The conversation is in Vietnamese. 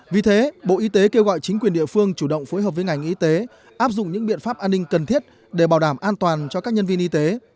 vì thế bộ y tế kêu gọi chính quyền địa phương chủ động phối hợp với ngành y tế áp dụng những biện pháp an ninh cần thiết để bảo đảm an toàn cho các nhân viên y tế